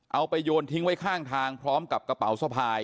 เอาไปโยนทิ้งไว้ข้างทางพร้อมกับกระเป๋าสะพาย